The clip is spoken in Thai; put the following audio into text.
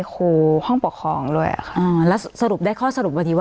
คือของหนูเนี่ย